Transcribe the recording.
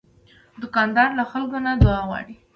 دوکاندار له خلکو نه دعا غواړي.